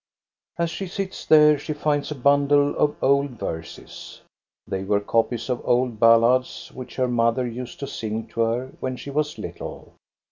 As she sits there, she finds a bundle of old verses. They were copies of old ballads, which her mother used to sing to her when she was little.